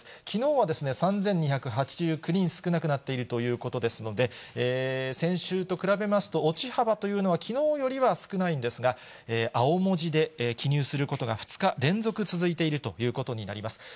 きのうは３２８９人少なくなっているということですので、先週と比べますと、落ち幅というのはきのうよりは少ないんですが、青文字で記入することが２日連続続いているということになります。